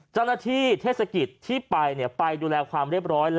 จันนที่เทศกิจที่ไป์ไปดูแลความเร็บร้อย